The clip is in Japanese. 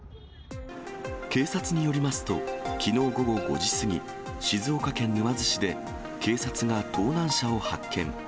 警察によりますと、きのう午後５時過ぎ、静岡県沼津市で警察が盗難車を発見。